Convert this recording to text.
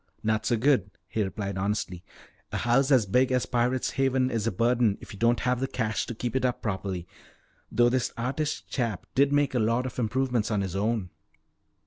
"Not so good," he replied honestly. "A house as big as Pirate's Haven is a burden if you don't have the cash to keep it up properly. Though this artist chap did make a lot of improvements on his own."